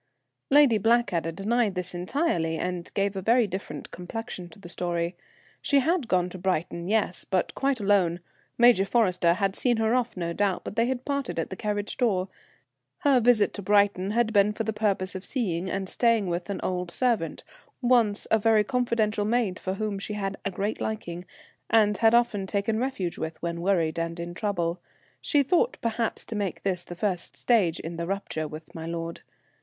Lady Blackadder denied this entirely, and gave a very different complexion to the story. She had gone to Brighton; yes, but quite alone. Major Forrester had seen her off, no doubt, but they had parted at the carriage door. Her visit to Brighton had been for the purpose of seeing and staying with an old servant, once a very confidential maid for whom she had a great liking, and had often taken refuge with when worried and in trouble. She thought, perhaps, to make this the first stage in the rupture with my lord.